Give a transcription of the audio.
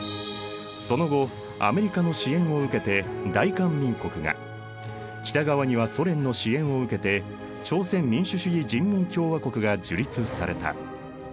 その後アメリカの支援を受けて大韓民国が北側にはソ連の支援を受けて朝鮮民主主義人民共和国が樹立された。